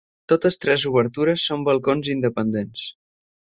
Totes tres obertures són balcons independents.